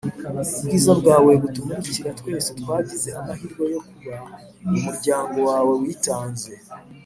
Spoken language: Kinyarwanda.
ubwiza bwawe butumurikira twese twagize amahirwe yo kuba mumuryango wawe witanze,